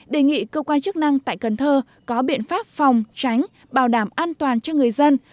đề nghị cơ quan chức năng tại cần thơ có biện pháp phòng tránh bảo đảm an toàn cho người dân